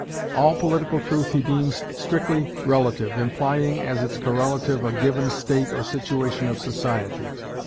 All political truth he deems strictly relative, implying as its correlative a given state or situation of society.